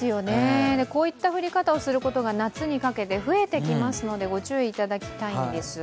こういった降り方をすることが夏にかけてふえてきますので、ご注意いただきたいんです。